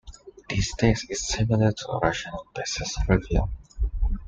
This test is similar to rational basis review.